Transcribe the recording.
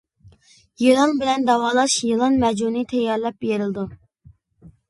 يىلان بىلەن داۋالاش يىلان مەجۈنى تەييارلاپ بېرىلىدۇ.